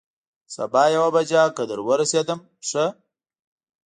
سبا یوه بجه که در ورسېدم، ښه.